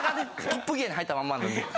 トップギアに入ったまんまなんで。